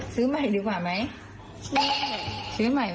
ซื้อใหม่ดีกว่าไหม